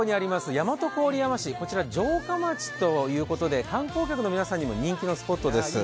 大和郡山市、こちら城下町ということで観光客の皆さんにも人気のスポットです。